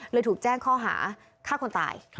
ถูกแจ้งข้อหาฆ่าคนตาย